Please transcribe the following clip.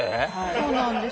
そうなんです。